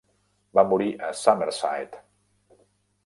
Va morir a Summerside.